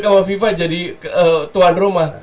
sama fifa jadi tuan rumah